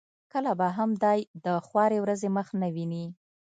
کله به هم دای د خوارې ورځې مخ نه وویني.